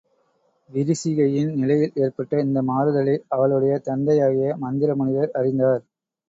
விரிசிகையின் நிலையில் ஏற்பட்ட இந்த மாறுதலை அவளுடைய தந்தையாகிய மந்தரமுனிவர் அறிந்தார்.